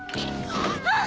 あっ！